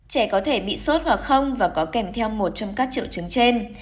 trẻ có thể bị sốt hoặc không và có kèm theo một trong các triệu chứng trên